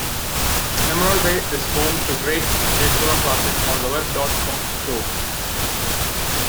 Emerald Bay is home to Great Exuma Classic on the Web dot com Tour.